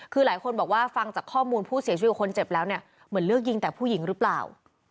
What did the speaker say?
คือหลายคนบอกว่าฟังจากข้อมูลผู้เสียชีวิตกับคนเจ็บแล้วเนี่ยเหมือนเลือกยิงแต่ผู้หญิงหรือเปล่า